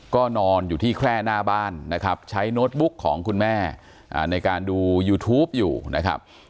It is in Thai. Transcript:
ก็นอนอยู่ที่แคร่หน้าบ้านนะครับใช้โน้ตบุ๊กของคุณแม่ในการดูยูทูปอยู่นะครับ